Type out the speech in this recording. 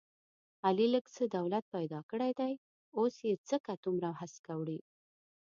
علي لږ څه دولت پیدا کړی دی، اوس یې ځکه دومره هسکه وړوي...